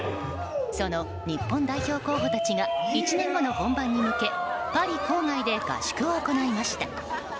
その日本代表候補たちが１年後の本番に向けパリ郊外で合宿を行いました。